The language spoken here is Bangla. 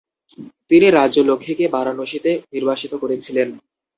তিনি রাজ্য লক্ষ্মীকে বারাণসীতে নির্বাসিত করেছিলেন।